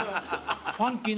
ファンキー。